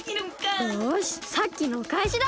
よしさっきのおかえしだ！